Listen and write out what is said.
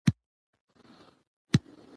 افغانستان د کابل له اړخه یو ډیر متنوع هیواد دی.